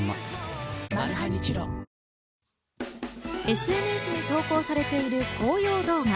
ＳＮＳに投稿されている紅葉動画。